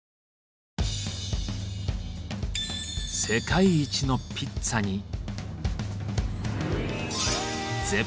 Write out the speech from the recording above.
世界一のピッツァに。